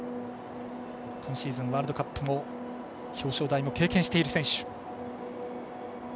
今シーズン、ワールドカップの表彰台も経験している選手。